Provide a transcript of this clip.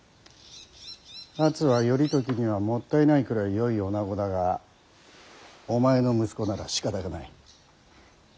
初は頼時にはもったいないくらいよい女子だがお前の息子ならしかたがない。